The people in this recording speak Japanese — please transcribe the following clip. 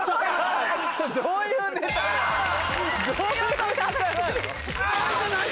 どういうネタなの？